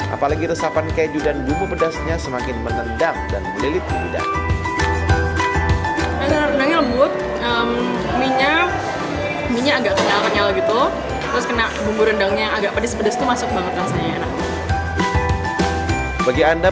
apalagi resapan keju dan jumbo pedasnya semakin menendang